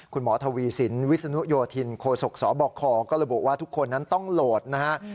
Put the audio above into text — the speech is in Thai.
คุณหมอทวีสินวิศนุโยธินโคศกสบคก็ระบุว่าทุกคนนั้นต้องโหลดนะฮะ